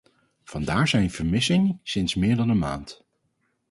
Vandaar zijn vermissing sinds meer dan een maand.